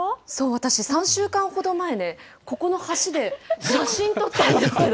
私、３週間ほど前ね、ここの橋で写真撮ったんですけど。